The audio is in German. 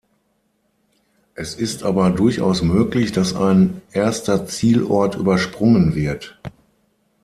Es ist aber durchaus möglich, dass ein erster Zielort übersprungen wird.